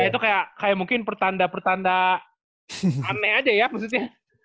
ya itu kayak mungkin pertanda pertanda aneh aja ya maksudnya